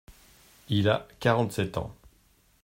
Il a quarante-sept ans…